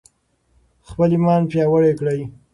خپل ایمان پیاوړی کړئ.